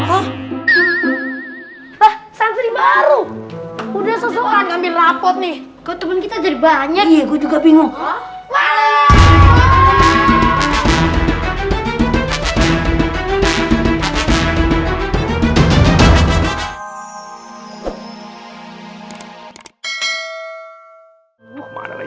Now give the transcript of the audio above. ah ah ah santri baru udah sesuai ambil rapot nih ketemu kita jadi banyak juga bingung